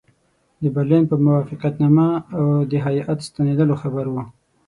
د برلین په موافقتنامه او د هیات ستنېدلو خبر وو.